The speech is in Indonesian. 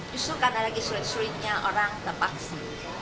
justru karena lagi sulit sulitnya orang terpaksa